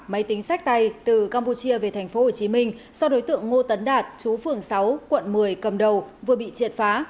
máy tính sách tay từ campuchia về tp hcm do đối tượng ngô tấn đạt chú phường sáu quận một mươi cầm đầu vừa bị triệt phá